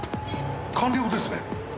官僚ですね。